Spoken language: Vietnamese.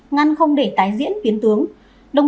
ngăn không để tái diễn biến tướng